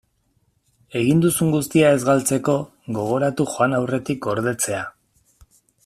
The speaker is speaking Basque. Egin duzun guztia ez galtzeko, gogoratu joan aurretik gordetzea.